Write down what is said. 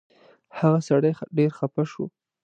هغه سړی ډېر خفه شو.